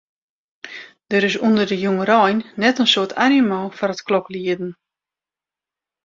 Der is ûnder de jongerein net in soad animo foar it kloklieden.